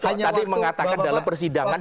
tadi mengatakan dalam persidangan